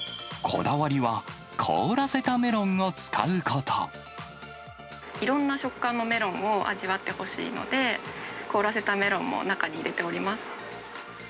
こだわりは、いろんな食感のメロンを味わってほしいので、凍らせたメロンも中に入れております。